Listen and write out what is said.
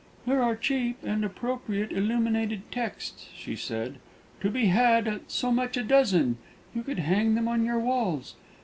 "There are cheap and appropriate illuminated texts," she said, "to be had at so much a dozen; you could hang them on your walls.